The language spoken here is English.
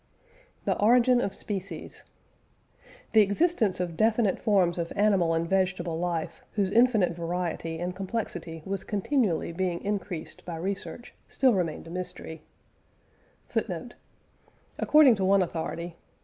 THE ORIGIN OF SPECIES. The existence of definite forms of animal and vegetable life, whose infinite variety and complexity was continually being increased by research still remained a mystery.